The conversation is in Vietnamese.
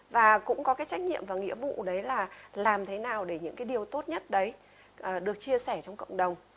và cũng có cái trách nhiệm và nghĩa vụ đấy là làm thế nào để những cái điều tốt nhất đấy được chia sẻ trong cộng đồng